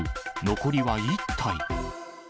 残りは１体。